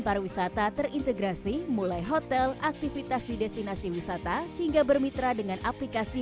pariwisata terintegrasi mulai hotel aktivitas di destinasi wisata hingga bermitra dengan aplikasi